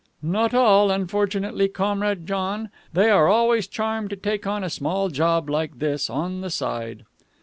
"Not all, unfortunately, Comrade John. They are always charmed to take on a small job like this on the side."